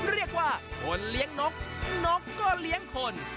เรียกว่าคนเลี้ยงนกนกก็เลี้ยงคน